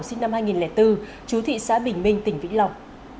sinh năm hai nghìn bốn chú thị xã bình minh tỉnh vĩnh long